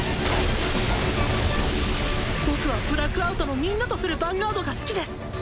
僕はブラックアウトのみんなとするヴァンガードが好きです。